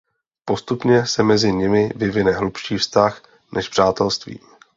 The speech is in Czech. Postupně se mezi nimi vyvine hlubší vztah než přátelství.